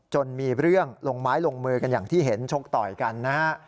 มีเรื่องลงไม้ลงมือกันอย่างที่เห็นชกต่อยกันนะฮะ